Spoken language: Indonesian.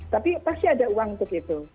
tapi pasti ada uang untuk itu